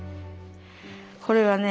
これはね